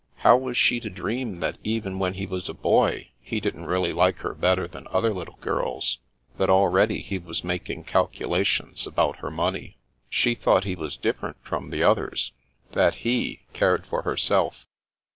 How was she to dream that even when he was a boy, he didn't really like her better than other little girls, that al ready he was making calculations about her money ? She thought he was different from the others, that he cared for herself.